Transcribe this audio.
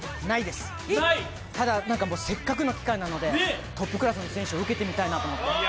ないです、ただせっかくの機会なのでトップクラスの選手を受けてみたいなって。